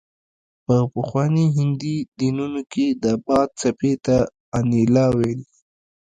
په پخواني هندي دینونو کې د باد څپې ته انیلا ویل